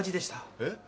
えっ！？